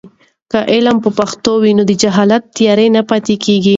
که علم په پښتو وي، نو د جهل تیارې نه پاتې کېږي.